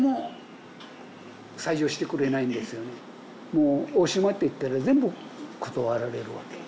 もう大島って言ったら全部断られるわけ。